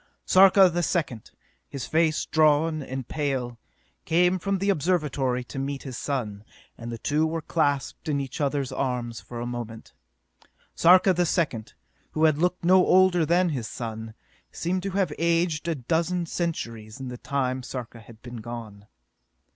Sarka the Second, his face drawn and pale, came from the Observatory to meet his son, and the two were clasped in each other's arms for a moment. Sarka the Second, who had looked no older than his son, seemed to have aged a dozen centuries in the time Sarka had been gone.